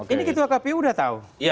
ini gitu akp udah tahu